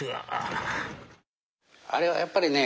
あれはやっぱりね